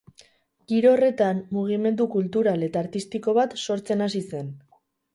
Giro horretan, mugimendu kultural eta artistiko bat sortzen hasi zen.